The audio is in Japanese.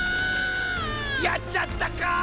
やっちゃったカ！